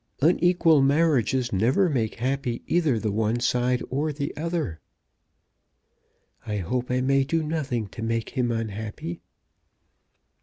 Unequal marriages never make happy either the one side or the other." "I hope I may do nothing to make him unhappy."